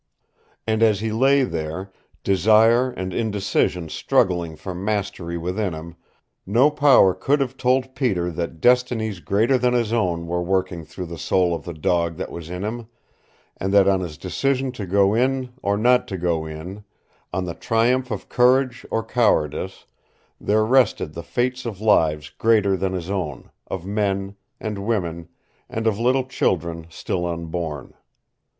And as he lay there, desire and indecision struggling for mastery within him, no power could have told Peter that destinies greater than his own were working through the soul of the dog that was in him, and that on his decision to go in or not to go in on the triumph of courage or cowardice there rested the fates of lives greater than his own, of men, and women, and of little children still unborn.